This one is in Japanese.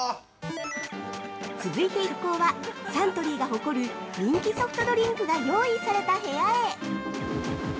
◆続いて一行はサントリーが誇る人気ソフトドリンクが用意された部屋へ！